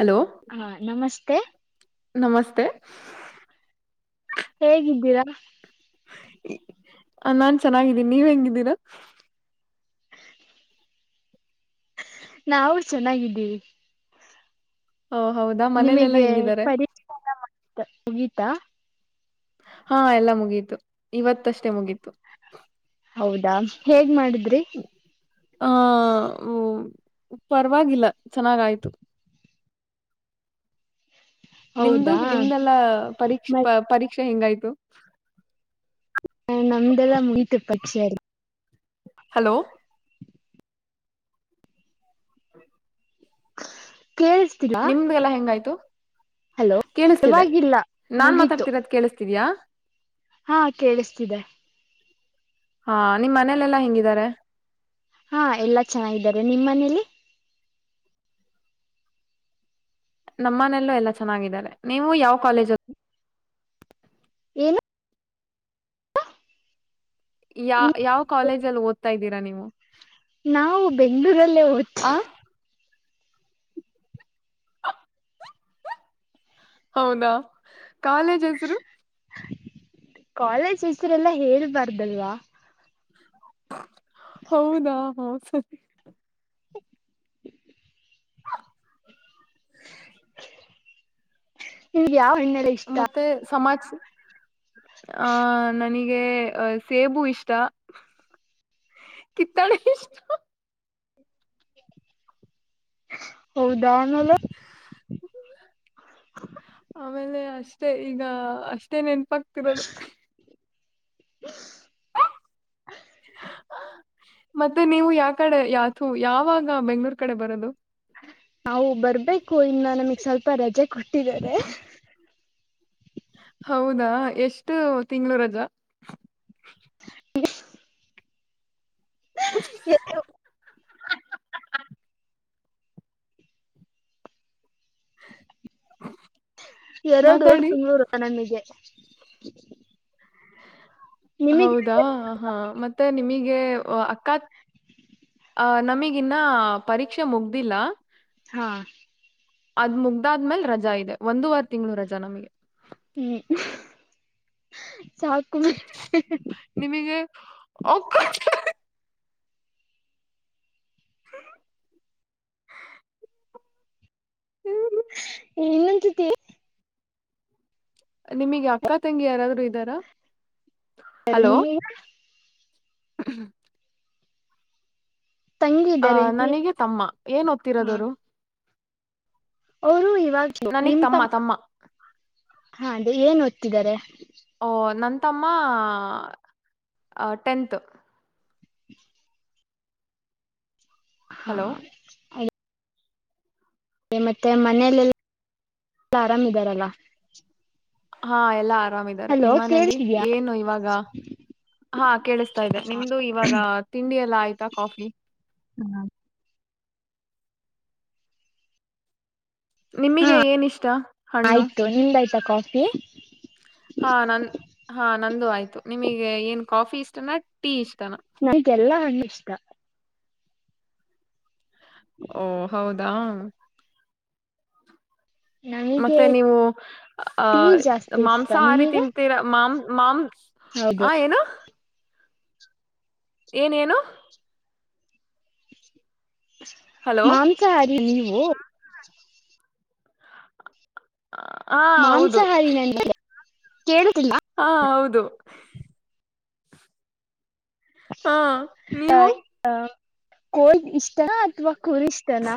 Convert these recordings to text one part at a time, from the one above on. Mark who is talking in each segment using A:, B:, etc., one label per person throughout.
A: Hello
B: ಹಾ ನಮಸ್ತೆ
A: ನಮಸ್ತೆ
B: ಹೇಗಿದ್ದೀರಾ
A: ಆ ನಾನ್ ಚೆನ್ನಾಗಿದ್ದೀನಿ ನೀವ್ ಹೆಂಗಿದ್ದೀರಾ
B: ನಾ ಅವ್ರು ಚೆನ್ನಾಗಿದ್ದೀವಿ
A: ಓ ಹೌದಾ ಮನೇಲೆಲ್ಲಾ
B: ನಿಮಗೆ
A: ಹೆಂಗಿದ್ದಾರೆ
B: ಪರಿ ಮುಗಿತಾ
A: ಹಾ ಎಲ್ಲ ಮುಗೀತು ಇವತ್ತಷ್ಟೇ ಮುಗೀತು
B: ಹೌದಾ ಹೇಗ್ ಮಾಡಿದ್ರಿ
A: ಹ ಪರವಾಗಿಲ್ಲ ಚೆನ್ನಾಗಾಯ್ತು ನಿಮ್ದು
B: ಹೌದಾ
A: ನಿಮ್ದೆಲ್ಲ ಪರೀಕ್ಷ
B: ಮ
A: ಪರೀಕ್ಷೆ ಹೆಂಗಾಯ್ತು
B: ಹ ನಮ್ದೆಲ್ಲ ಮುಗತು ಪಕ್ಷಿಲ್ಲಿ
A: ಹಲೋ
B: ಕೇಳಿಸ್ತಿಲ್ಲ
A: ನಿಮಗೆಲ್ಲ ಹೆಂಗಾಯ್ತು
B: ಹಲೋ
A: ಕೇಳಿಸ್ತಿದೆ
B: ಪರವಾಗಿಲ್ಲ
A: ನಾನ್
B: ಮುಗೀತು
A: ಮಾತಾಡ್ತಿರೋದ ಕೇಳಿಸ್ತಿದ್ಯಾ
B: ಹಾ ಕೇಳಿಸ್ತಿದೆ
A: ಹಾ ನಿಮ್ಮ್ ಮನೇಲೆೆಲ್ಲಾ ಹೆಿಂಗಿದಿದ್ದಾರೆ
B: ಹಾ ಎಲ್ಲಾ ಚೆನ್ನಾಗಿದ್ದಾರೆ ನಿಮ್ಮ್ ಮನೇಲಿ
A: ನಮ್ಮನೆಯಲ್ಲೂ ಎಲ್ಲ ಚೆನ್ನಾಗಿದ್ದಾರೆ ನೀವು ಯಾವ ಕಾಲೇಜು
B: ಏನು
A: ಯ ಯಾವ ಕಾಲೇಜ ಅಲ್ಲಿ ಓದ್ತಾ ಇದ್ದೀರಾ ನೀವು
B: ನಾವು ಬೆಂಗ್ಳೂರಲ್ಲೇ ಹಓದ್ತೀವಿ
A: ಆ ಹೌದಾ ಕಾಲೇಜ್ ಹೆಸರು
B: ಕಾಲೇಜ್ ಹೆಸರೆಲ್ಲಾ ಹೇಳ್ಬಾರ್ದಲ್ವಾ
A: ಸ
B: ನಿಮ್ಗೆ ಯಾವ ಇನ್ನ
A: ಮತ್ತೆ ಸಮಾಜ ಆ ನನಗೆ ಸೇಬು ಇಷ್ಟ ಕತ್ತಡ ಇಷ್ಟ
B: ಹೌದು
A: ಆಮೇಲೆ ಅಷ್ಟ ಮತ್ತೆ ಈಗ ಅಷ್ಟೇ ನೆನಪಾಗ್ತಿರೋದು
B: ಹ
A: ಹ ಮತ್ತೆ ನೀವು ಯಾ ಕಡೆ ಯಾಥು ಯಾವಾಗ ಬೆಂಗ್ಳೂರ್ ಕಡೆ ಬರೋದು
B: ನಾವು ಬರ್ಬೇಕು ಇನ್ನ ನಮಗ್ ಸ್ವಲ್ಪ ರಜೆ ಕೊಟ್ಟಿದಿದ್ದಾರೆ
A: ಹೌದಾ ಎಷ್ಟು ತಿಂಳೂ ರಜಾ
B: ಎರಡು ಎರಡು
A: ಮಾತಾಡಿ
B: ತುಂಗಳೂರು ನನಗೆ ನಿಮಗೆ
A: ಹೌದಾ ಹಾ ಮತ್ತೆ ನಿಮಗೆ ಅಕ್ಕ ಅ ನಮಗ್ ನ್ನ ಪರೀಕ್ಷೆ ಮುಗ್ದಿಲ್ಲ
B: ಹಾ
A: ಅದ್ ಮುಗ್ದಾದ್ಮೇಲ್ ರಜಾ ಇದೆ ಒಂದ ವಾರ ತಿಂಗಳು ರಜಾ ನಮಗೆ
B: ಹ್ಮ್ ಸಾಕುಮ
A: ಒಕ್ಕ
B: ಇನ್ನಂತತಿ
A: ನಿಮಗೆ ಅಕ್ಕ ತಂಗಿ ಯಾರಾದ್ರೂ ಇದ್ದಾರಾ ಹಲೋ
B: ನಿಮಗ
A: ಹ್ಮ
B: ತಂಗಿ
A: ಅ
B: ಇದ್ದಾರೆ ನಿಮಿ
A: ನನಗೆ ತಮ್ಮ ಏನ್
B: ಹಾ
A: ದತ್ತಿರೋದವರು
B: ಅವರು ಇವಾಗ
A: ನನಗ್
B: ನಿಮ
A: ತಮ್ಮ ತಮ್ಮ
B: ಹಾ ಅದೇ ಏನ್ಓದ್ತಿದ್ದಾರೆ
A: ಓ ನಂತಮ್ಮ ಟೆಂತ್
B: ಹಾ
A: ಹಲೋ
B: ಮತ್ತೆ ಮನಲೆೆಲ್ಲ ಆರಾಮ ಇದ್ದಾರಲ್ಲ
A: ಹಾ ಎಲ್ಲಾ ಆರಾಮಾರೆ ನಿಮ್ಮನೇಲಿ
B: ಕೇಳ್ತಿದ್ಯಾ
A: ಏನು ಇವಾಗ ಹಾ ಕೇಳಿಸ್ತಾ ಇದೆ ನಿಮ್ದು ಇವಾಗ ತಿಂಡಿ ಎಲ್ಲ ಆಯ್ತಾ ಕಾಫಿ [unintelligible] ಹೂ
B: ಹಾ
A: ನಿಮಿಗೆ ಏನ ಇಷ್ಟ ಹಣ್ಣು
B: ಆಯ್ತು ನಿಮ್ದಾಯ್ತಾ ಕಾಫಿ
A: ಹಾ ನನ್ ಹಾ ನಂದು ಆಯ್ತು ನಿಮಗೆ ಏನ್ ಕಾಫಿ ಇಷ್ಟನಾ ಟೀ ಇಷ್ಟ
B: ನನಗೆಲ್ಲಾ ಹಣ್ಣು ಇಷ್ಟ
A: ಓ ಹೌದಾ
B: ನಮಗೆ
A: ಮತ್ತೆ ನೀವು
B: ಟೀ
A: ಅಹ
B: ಜಾಸ್ತಿ ಇಷ್ಟ
A: ಮಾಂಸಾಹಾರಿ
B: ನಿಮಗೆ
A: ತಿಂತೀರ ಮಾಮ ಮಾಂ [unintelligible]
B: ಹೌದು
A: ಹ ಏನು ಏನೇನು ಹಲೋ
B: ಮಾಂಸಹಾರಿ ನೀವು
A: ಹಾ ಹೌದು
B: ಮಾಂಸಾಹಾರಿನ ನೀವು ಕೇಳತಿಲ್ಲ
A: ದು ಹಾ ನೀವು
B: ಕೋಲ್ ಇಷ್ಟನಾ ಅಥವಾ ಕುರಿ ಇಷ್ಟನಾ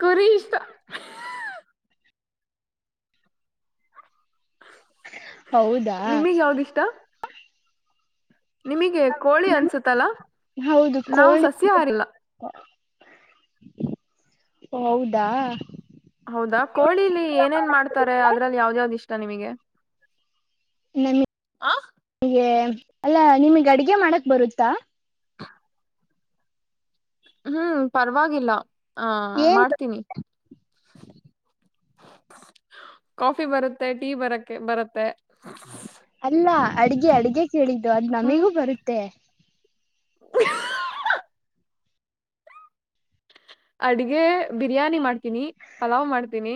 A: ಕುರಿ ಇಷ್ಟ
B: ಹೌದಾ
A: ನಿಮಗ್ ಯಾವ್ದಿಷ್ಟ ನಿಮಗೆ ಕೋಳಿ ಅನ್ಸತ್ತಲ
B: ಹೌದು
A: ನಾವು
B: ಕೋಳಿ
A: ಸಸ್ಯಾಹಾರಿ
B: ಹೌದಾ
A: ಹೌದಾ ಕೋಳಿಲಿ ಏನೇನ್ ಮಾಡ್ತಾರೆ ಅದ್ರಲ್ಲಿ ಯಾವ್ದ್ಯಾವ್ದ್ ಇಷ್ಟ ನಿಮಗೆ ಆ
B: ನಮಗೆ ಅಲ್ಲ ನಿಮಗ್ ಅಡಗೆ ಮಾಡಕ್ ಬರುತ್ತಾ
A: ಹ್ಮ್ ಪರವಾಗಿಲ್ಲ ಆ
B: ಏನ್
A: ಮಾಡ್ತೀನಿ ಕಾಫಿ ಬರುತ್ತೆ ಟೀ ಬರಕ್ಕೆೆ ಬರುತ್ತೆ
B: ಅಲ್ಲ ಅಡ್ಗೆ ಅಡ್ಗೆ ಕೇಳಿದ್ದು ಅದ್
A: ಹ್ಮ್
B: ನಮಿಗೂ ಬರುತ್ತೆ
A: ಅಡ್ಗೆ ಬಿರಿಯಾನಿ ಮಾಡ್ತೀನಿ ಪಲಾವ್ ಮಾಡ್ತೀನಿ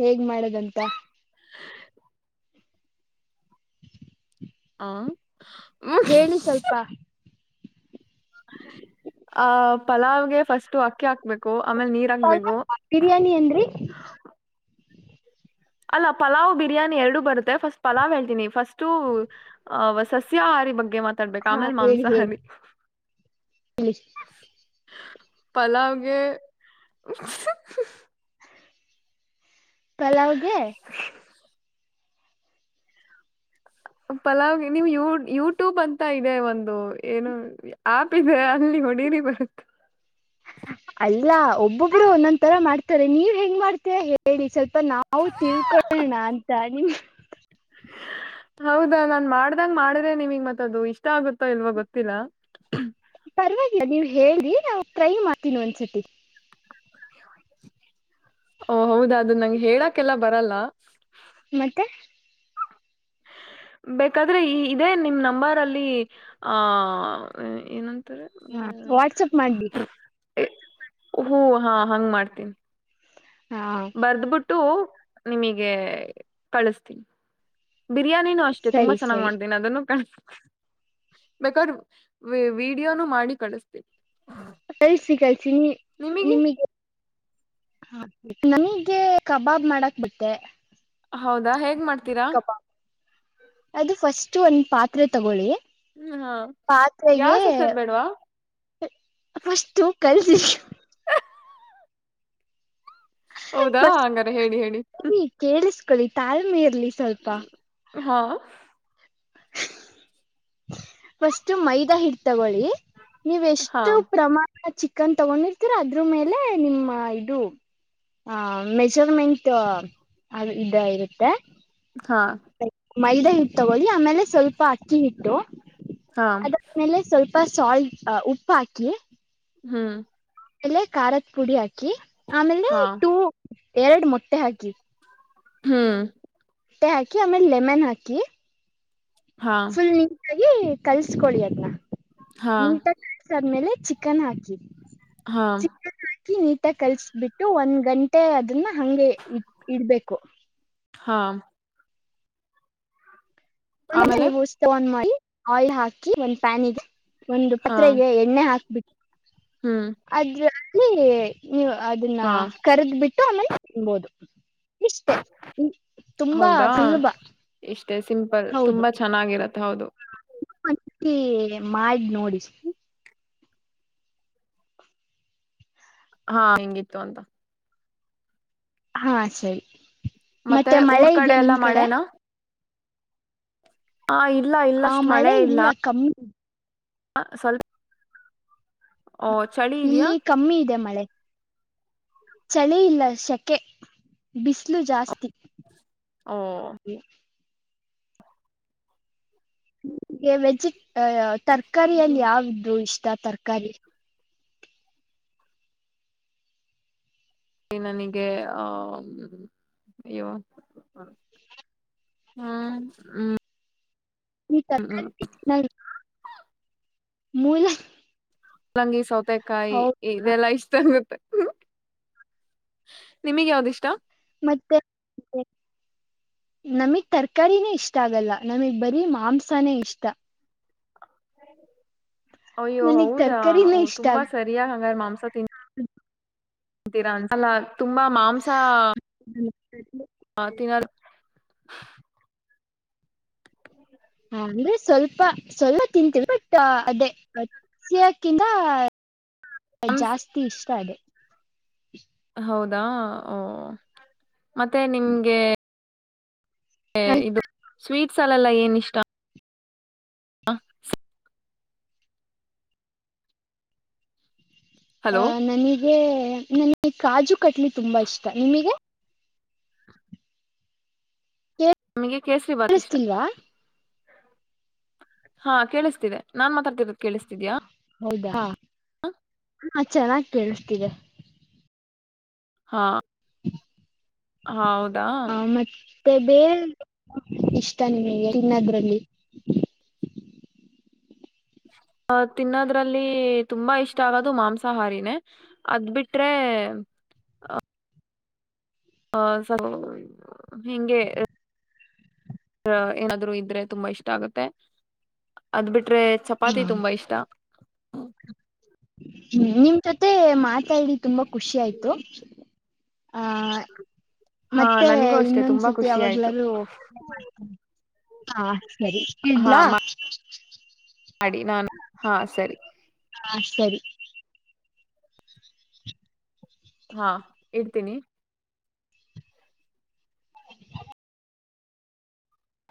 B: ಹೇಗ್ ಮಾಡದಂತ [unintelligible] ಹಾ
A: ಹ್ಮ
B: ಸ್ವಲ್ಪ
A: [unintelligible] ಆ ಪಲಾವ್ಗೆ ಫಸ್ಟ್ ಅಕ್ಕಿ ಹಾಕ್ಬೇಕು ಆಮೇಲೆ ನೀರ್ ಹಾಕ್ಬೇಕು
B: ಪಲಾವ್ ಬಿರಿಯಾನಿ ಅಂದ್ರಿ
A: ಅಲ್ಲ ಪಲಾವ್ ಬಿರಿಯಾನಿ ಎರಡು ಬರುತ್ತೆ ಫಸ್ಟ್ ಪಲಾವ್ ಹೇಳ್ತೀನಿ ಫಸ್ಟು ಅಹ್ ಸಸ್ಯ ಸಸ್ಯಾಹಾರಿ ಬಗ್ಗೆ ಮಾತಾಡ್ಬೇಕ
B: ಹಾ
A: ಆಮೇಲ್
B: ಹೇಳಿ ಹೇಳಿ
A: ಮಾಂಸಾಹಾರಿ ಪಲಾವ್ಗೆ
B: ಪಲಾವಗೆ
A: ಪಲಾವ್ ನೀವು್ ಯ ಯೂಟ್ಯೂಬ್ ಅಂತ ಇದೆ ಒಂದು ಏನು ಆಪ್ ಇದೆ ಅಲ್ಲಿ ಹೊಡಿರಿ ಬರುತ್ತೆ
B: ಅಲ್ಲ ಒಬ್ಬೊಬ್ರು ಒಂದೊಂದ್ ತರ ಮಾಡ್ತಾರೆ ನೀವ್ ಹೆಂಗ್ ಮಾಡ್ತೀರ ಹೇಳಿ ಸ್ವಲ್ಪ ನಾ ಹ ತಿಳ್ಕೊೊಳ್ಳೋಣ ಅಂತ ನಿಮ
A: ಹ್ಮ [unintelligible] ಹೌದಾ ನಾನ್ ಮಾಡ್ದಂಗ ಮಾಡ್ರೆ ನಿಮಗ್ ಮತ್ತ ಅದು ಇಷ್ಟ ಆಗುತ್ತೋ ಇಲ್ವ ಗೊತ್ತಿಲ್ಲ
B: ಪರವಾಗಿಲ್ಲ ನೀವ್ ಹೇಳಿ ನಾವು ಟ್ರೈ ಮಾಡ್ತೀನಿ ಒಂದ್ಸತಿ
A: ಓ ಹೌದ ಅದು ನಂಗೆ ಹೇಳಕಲ್ಲ ಬರಲ್ಲ
B: ಮತ್ತೆ
A: ಬೇಕಾದ್ರೆ ಈ ಇದೇ ನಿಮ್ ನಂಬರ್ ಅಲ್ಲಿ ಆಹ ಏನ
B: ಹಾ ವಾಟ್ಸಪ್ ಮಾಡಿ
A: ಹೂ ಹಾ ಹಂಗ ಮಾಡ್ತೀನಿ
B: ಹಾ
A: ಬರ್ದಬಿಟ್ಟು ನಿಮಗೆ ಕಳಸ್ತೀನಿ ಬಿರಿಾನಿನೂ ಅಷ್ಟೇ ತುಂಬಾ
B: ಸರಿ
A: ಚೆನ್ನ್
B: ಸರಿ
A: ಮಾಡೀಿನಿ ಅದನ್ನು ಕಾಣ ಬೇಕಾದ್ರೆ ವಿಡಿಯೋನು ಮಾಡಿ ಕಳಿಸತೀನಿ
B: ಕಳ್ಸಿಸಿ ಕಳ್ಸಿ ನೀ ನಿಮಗೆ ಹ ನಮಗ್ಗೆ ಕಬಾಬ್ ಮಾಡಕ್ ಬಿಟ್ಟೆ
A: ಹೌದಾ ಹೇಗ್ ಮಾಡ್ತೀರಾ
B: ಫರ್ಸ್ಟ್ ಒಂದ್ ಪಾತ್ರೆ ತಗೊಳ್ಳಿ
A: ಹ್ಮ್ ಹಾ
B: ಪಾತ್ರೆಗೆ
A: ಗ್ಯಾಸ್ ಹಚ್ಹೋದ್ ಬೇಡ್ವಾ
B: ಫಷ್ಟು ಕಲ್ಸಿ
A: ಹೌದಾ ಹಂಗಾರ ಹೇಳಿ ಹೇಳಿ
B: ಕೇಳಿಸ್ಕೊಳ್ಳಿ ತಾಳ್ಮೆ ಇರ್ಲಿ ಸ್ವಲ್ಪ
A: ಹಾ
B: ಫಸ್ಟ್ ಮೈದಾ ಹಿಟ್ ತಗೊಳ್ಳಿ ನೀವೆ
A: ಹಾ
B: ಎಷ್ಟು ಪ್ರಮಾಣ ಚಿಕನ್ ತಗೊಂಡಿರ್ತೀರ ಅದ್ರ ಮೇಲೆ ನಿಮ್ಮ ಇದು ಹ ಮೆಜರ್ಮೆಂಟ್ ಅ ಇದ ಇರುತ್ತೆ
A: ಹಾ
B: ಮೈದಾ ಹಿಟ್ಟು ತಗೋಲಿ ಆಮೇಲೆ ಸ್ವಲ್ಪ ಅಕ್ಕಿ ಹಿಟ್ಟು
A: ಹಾ
B: ಅದಾದ್ಮೇಲೆ ಸ್ವಲ್ಪ ಸ್ವಲ್ಪ ಸಾಲ್ಟ್ ಅ ಉಪ್ಪ ಹಾಕಿ
A: ಹ್ಮ್
B: ಆಮೇಲೆ ಖಾರದ ಪುಡಿ ಹಾಕಿ ಆಮೇಲೆ
A: ಹಾ
B: ಟೂ ಎರಡು ಮೊಟ್ಟೆ ಹಾಕಿ
A: ಹ್ಮ್
B: ಹಾಕಿ ಅಮೇಲೆ ಲೆಮನ್ ಹಾಕಿ
A: ಹಾ
B: ಫುಲ್ ನೀ ಕಲ್ಸ್ಕೊೊಳ್ಳಿ ಅದ್ನ್ನ
A: ಹಾ
B: ನೀಟಾಗಿ ಕಲ್ಸಾದ್ಮೇಲೆ ಚಿಕನ್ ಹಾಕಿ
A: ಹಾ
B: ಅಕಿ ನೀಟಾಗ ಕಲ್ಸಬಿಟ್ಟು ಒಂದ್ ಗಂಟೆ ಅದನ್ನ ಹಂಗೆ ಇ ಇಡ್ಬೇಕು
A: ಹಾ ಆಮೇಲೆ
B: [inaudible] ಮಾಡಿ ಆಯಿಲ್ ಹಾಕಿ ಒಂದ್ ಪ್ಯಾನಿಗೆ. ಒಂದು
A: ಹಾ
B: ಪಾತ್ರೆಗೆ ಎಣ್ಣೆ ಹಾಕ್ಬಿಟ್ಟು
A: ಹ್ಮ್
B: ಅದ್ರಲ್ಲಿ ನೀವು ಅದನ್ನ
A: ಹಾ
B: ಕರೆದ್ ಬಿಟ್ಟು ಆಮೇಲೆ ತಿನ್ಬೋದು ಇಷ್ಟೇ ತುಂಬಾ ಸುಲಭ
A: ಇದೆ ಸಿಂಪಲ್ ತುಂಬಾ ಚೆನ್ನಾಗಿರತ್ತೆ ಹೌದು
B: [inaudible] ಸತಿ ಮಾಡ್ ನೋಡಿ.
A: ಹಾ ಹೆಂಗಿತ್ತು ಅಂತ
B: ಹಾ ಸರಿ ಮತ್ತೆ
A: ಊರ್
B: ಮಳೆ ಇದೆಯಾ
A: ಎಲ್ಲಾ
B: ನಿಮ್ ಕಡೆ
A: ಮಳೆನಾ ಹಾ ಇಲ್ಲ ಇಲ್ಲ ಎಲ್ಲಿ ಅಷ್ಟ್ ಮಳೆ ಇಲ್ಲ ಸ್ವಲ್ಪ ಓ ಚಳಿ ಇದಿಯಾ
B: ಇಲ್ಲಿ ಕಮ್ಮಿ ಇದೆ ಮಳೆ ಚಳಿ ಇಲ್ಲ ಶೆಕೆ ಬಿಸಿಲು ಜಾಸ್ತಿ
A: ಹ
B: ಗೆ ವೆಜಿಟ್
A: ಇದು
B: ತರಕಾರಿಯಲ್ಲಿ ಯಾವಿದು ಇಷ್ಟ ತರಕಾರಿ
A: ನನಗೆ ಆಹ ಇವು ಹ್ಮ್ ಹ್ಮ್
B: ಈ
A: ಹ್ಮ್
B: [inaudible] ಮೂಲ.
A: ಪಲ್ಲಂಗಿ ಸೌತೆಕಾಯಿ
B: ಹೌದಾ
A: ಇದೆಲ್ಲಾ ಇಷ್ಟ ಆಗುತ್ತೆ ಹ್ಮ ನಿಮಗ್ ಯಾವ್ದಿಷ್ಟ
B: ಮತ್ತೆ ನಮಗ್ ತರ್ಕಾರಿನೇ ಇಷ್ಟ ಆಗಲ್ಲ ನಮಗ್ ಬರೀ ಮಾಂಸನೇ ಇಷ್ಟ
A: ಅಯ್ಯೋ
B: ನನಗ್
A: ಹೌದಾ
B: ತರಕಾರಿನೇ ಇಷ್ಟ
A: ತುಂಬಾ ಸರಿ ಹಂಗಾರ ಮಾಂಸ ತಿನ್ ಅಂತೀರಾಲ್ಲಾ. ತುಂಬಾ ಮಾಂಸ
B: ಆಗಲ್ಲ
A: ತಿನ್ನೋದು
B: ಹ ಅಂದ್ರೆ ಸ್ವಲ್ಪ ಸ್ವಲ್ಪ ತಿಂತೀವಿ ಬಟ್ ಅದೇ ಸಿಯಕಿಂದ
A: ಮಾಂಸ
B: ಜಾಸ್ತಿ ಇಷ್ಟ ಅದು.
A: ಹೌದಾ ಓ ಮತ್ತೆ ನಿಮ್ಗೆ ಇದು ಸ್ವೀಟ್ಸ್ ಅಲ್ಲೆಲ್ಲ ಏನ್ ಇಷ್ಟ ಹಾ ಹಲೋ
B: ಅಹ ನನಗೆ ನನಗೆ ಕಾಜು ಕಟ್ಲಿ ತುಂಬಾ ಇಷ್ಟ ನಿಮಗೆ
A: ನನಗೆ ಕೇಸರಿ ಭಾತ್ ಇಷ್ಟ.
B: ಕೇಳಿಸ್ತಿಲ್ವಾ
A: ಹಾ ಕೇಳಿಸ್ತಿದೆ ನಾನ್ ಮಾತಾಡ್ತಿರೋದು ಕೇಳಿಸ್ತಿದೀಯಾ?
B: ಹೌದಾ ಹ ಚೆನ್ನಾಗಿ ಕೇಳಿಸ್ತಿದೆ.
A: ಹಾ ಹೌದಾ.
B: ಬೇ ಬೇ ಇಷ್ಟ ನಿಮಗೆ ಇನ್ನದ್ರಲ್ಲಿ.
A: [inaudible] ಅ ತಿನ್ನೋದ್ರಲ್ಲಿ ತುಂಬಾ ಇಷ್ಟ ಆಗೋದು ಮಾಂಸಾಹಾರಿನೇ ಅದ್ ಬಿಟ್ರೆ ಹಾ ಹ ಸ ಹಿಂಗೆ ಏನಾದ್ರು ಇದ್ರೆ ತುಂಬಾ ಇಷ್ಟ ಆಗುತ್ತೆ ಅದ್ ಬಿಟ್ಟ್ ಟ್ರೆ
B: ಹ
A: ಚಪಾತಿ ತುಂಬಾ ಇಷ್ಟ.
B: ಹ್ಮ್ ನಿಮ್ ಜೊತೆ ಮಾತಾಡಿ ತುಂಬಾ ಖುಷಿ ಆಯ್ತು. ಆ
A: [inaudible] ಹಾ
B: ಮತ್ತೆ
A: ನನಗೂ ಅಷ್ಟೇ ತುಂಬಾ
B: ಇನ್ನೊಂದ್ಸತಿ
A: ಖುಷಿ ಆಯ್ತು
B: ಯವಾಗ್ಲಾರೂ ಹಾ ಸರಿ
A: ಹಾ
B: ಇಡ್ಲಾ.
A: ಮಾಡಿ ನಾನು ಹಾ ಸರಿ.
B: ಹಾ ಸರಿ.
A: ಹಾ ಇಡ್ತೀನಿ.